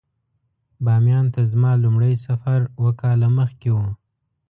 باميان ته زما لومړی سفر اووه کاله مخکې و.